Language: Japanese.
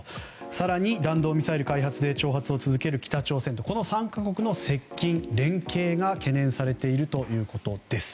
更に弾道ミサイル開発で挑発を続ける北朝鮮とこの３か国の接近・連携が懸念されているということです。